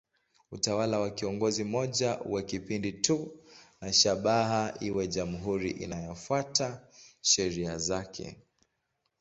Utawala wa kiongozi mmoja uwe kipindi tu na shabaha iwe jamhuri inayofuata sheria zake.